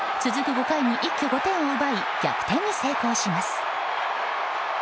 ５回に一挙５点を奪い逆転に成功します。